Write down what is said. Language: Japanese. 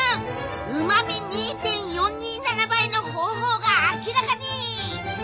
うまみ２．４２７倍の方法が明らかに！